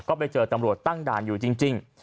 ก็ไปเจอตำรวจตั้งด่านอยู่จริง